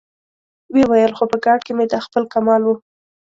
ويې ويل: خو په ګارد کې مې دا خپل کمال و.